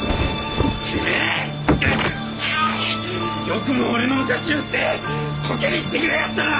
よくも俺の昔を売ってコケにしてくれやがったな！